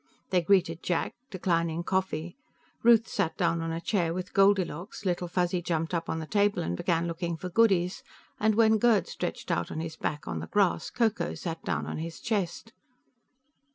They greeted Jack, declining coffee; Ruth sat down in a chair with Goldilocks, Little Fuzzy jumped up on the table and began looking for goodies, and when Gerd stretched out on his back on the grass Ko Ko sat down on his chest.